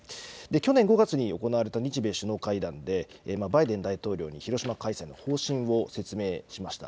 去年５月に行われた日米首脳会談で、バイデン大統領に広島開催の方針を説明しました。